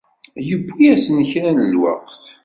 Yewwi-yasen kra n lweqt.